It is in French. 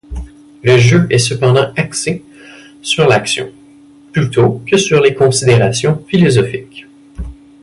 Le jeu est cependant axé sur l'action, plutôt que sur ces considérations philosophiques.